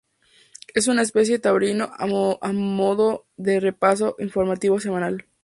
Es un espacio taurino a modo de repaso informativo semanal.